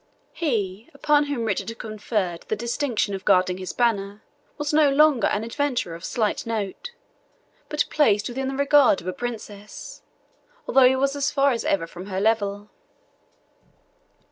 He upon whom Richard had conferred the distinction of guarding his banner was no longer an adventurer of slight note, but placed within the regard of a princess, although he was as far as ever from her level.